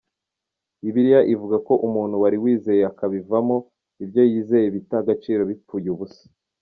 Bibiliya ivuga ko umuntu wari warizeye akabivamo, ibyo yizeye bita agaciro bipfuye ubusa.